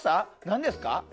何ですか？